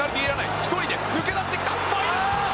１人で抜け出してきた！